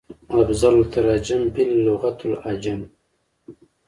افضل التراجم بالغت العاجم